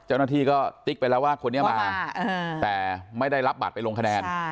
เจ้าหน้าที่ก็ติ๊กไปแล้วว่าคนนี้มาแต่ไม่ได้รับบัตรไปลงคะแนน